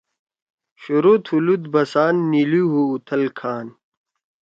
شروع تُھو لُت بسان، نیِلی ہُو اُوتھل کھان